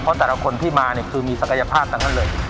เพราะแต่ละคนที่มาเนี่ยคือมีศักยภาพทั้งนั้นเลย